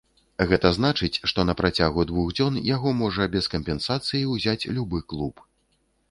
Гэта значыць, што на працягу двух дзён яго можа без кампенсацыі ўзяць любы клуб.